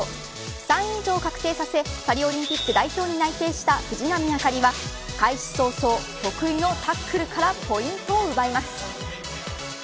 ３位以上を確定させパリオリンピック代表に内定した藤波朱理は、開始早々得意のタックルからポイントを奪います。